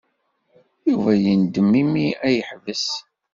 Yuba yendem imi ay yeḥbes.